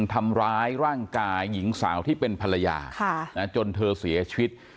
ธำ้ร่างกายหญิงสาวที่เป็นภารยาค่ะนะจนเธอเสียชีวิต